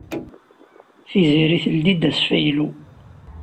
Tiziri teldi-d asfaylu.